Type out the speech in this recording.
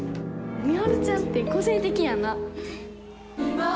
美晴ちゃんって個性的やな。